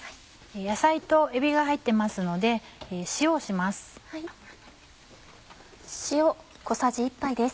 野菜とえびが入ってますので塩をします。